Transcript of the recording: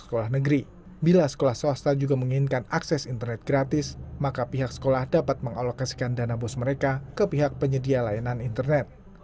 kepala smpn sembilan belas palembang hal itu merupakan solusi dalam memberikan layanan internet gratis bagi sekolah murid dan guru